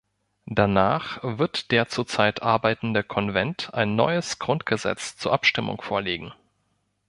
Danach wird der zur Zeit arbeitende Konvent ein neues Grundgesetz zur Abstimmung vorlegen.